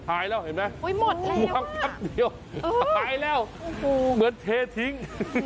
หายแล้วเห็นไหมหวงช้ำเหมือนเททิ้ง